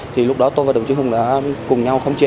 thì lúc đó tôi và đồng chí hùng đã cùng nhau khống chế